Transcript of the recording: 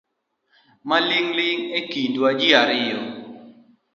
Maling’ling’ ekindwa ji ariyo